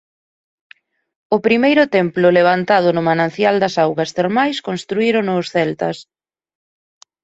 O primeiro templo levantado no manancial das augas termais construírono os celtas.